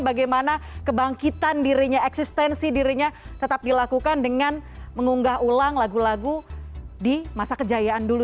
bagaimana kebangkitan dirinya eksistensi dirinya tetap dilakukan dengan mengunggah ulang lagu lagu di masa kejayaan dulu